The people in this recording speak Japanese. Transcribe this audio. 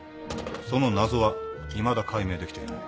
その謎はいまだ解明できていない。